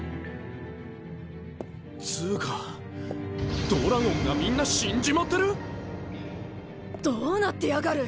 っつうかドラゴンがみんな死んじまってる⁉どうなってやがる！